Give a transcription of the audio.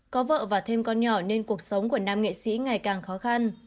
có vợ và thêm con nhỏ nên cuộc sống của nam nghệ sĩ ngày càng khó khăn